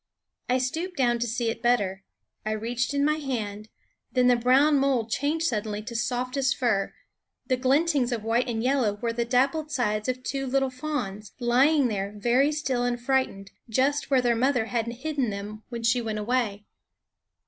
I stooped down to see it better ; I reached in my hand then the brown mold changed suddenly to softest fur; the glintings of white and yellow were the dappled sides of two little fawns, lying there very still and frightened, just where their mother had hidden them when she went away.